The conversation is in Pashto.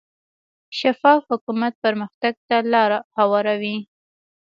شفاف حکومت پرمختګ ته لار هواروي.